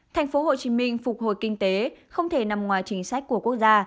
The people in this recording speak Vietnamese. thành phố hồ chí minh phục hồi kinh tế không thể nằm ngoài chính sách của quốc gia